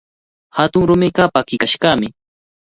Hatun rumiqa pakikashqami.